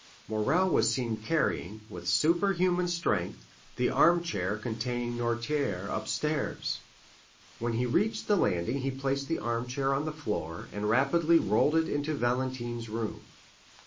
Morrel was seen carrying, with superhuman strength, the armchair containing Noirtier upstairs. When he reached the landing he placed the armchair on the floor and rapidly rolled it into Valentine's room.